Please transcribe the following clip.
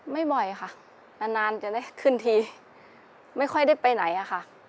บ่อยค่ะนานจะได้ขึ้นทีไม่ค่อยได้ไปไหนอะค่ะ